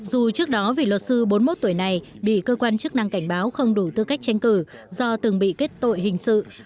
dù trước đó vì luật sư bốn mươi một tuổi này bị cơ quan chức năng cảnh báo không đủ tư cách tranh cử do từng bị kết tội hình sự